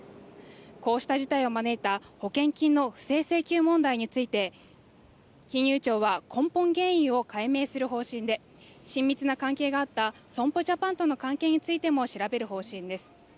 こうした事態を招いた保険金の不正請求問題について金融庁は根本原因を解明する方針で親密な関係があった損保ジャパンとの関係についても調べる方針です